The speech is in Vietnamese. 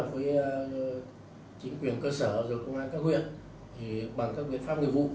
cùng phối hợp với chính quyền cơ sở và công an các huyện bằng các biện pháp người vụ